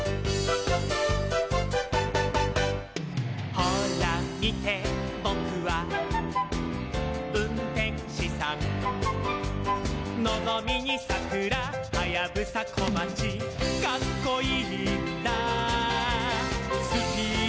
「ほらみてボクはうんてんしさん」「のぞみにさくらはやぶさこまち」「カッコいいんだスピードアップ」